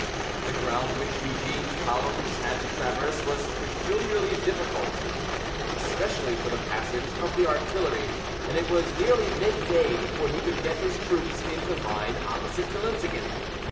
The ground which Eugene's columns had to traverse was peculiarly difficult, especially for the passage of the artillery; and it was nearly mid day before he could get his troops into line opposite to Lutzingen.